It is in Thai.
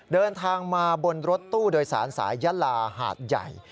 เดินทางมาบนรถตู้โดยสารสายยะลาหาดใหญ่